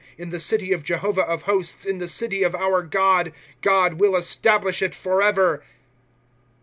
In the city of Jehovah of hosts, in the city of our God ; God will establish it forever.